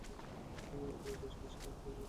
আপনার বেশভুষায় এখনও তার চিহ্ন পাওয়া যায়।